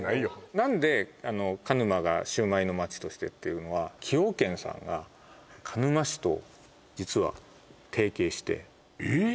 何であの鹿沼がシュウマイの街としてっていうのは崎陽軒さんが鹿沼市と実は提携してえっ？